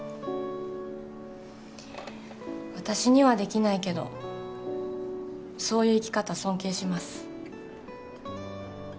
私にはできないけどそういう生き方尊敬します